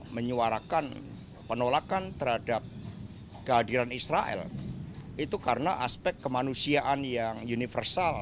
menyuarakan penolakan terhadap kehadiran israel itu karena aspek kemanusiaan yang universal